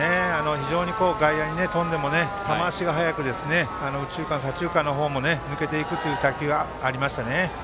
外野に飛んでも球足が速く右中間、左中間の方にも抜けていくという打球がありましたね。